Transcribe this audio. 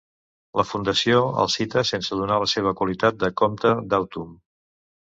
La Fundació el cita sense donar la seva qualitat de comte d'Autun.